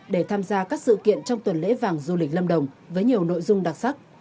để tham gia các sự kiện trong tuần lễ vàng du lịch lâm đồng với nhiều nội dung đặc sắc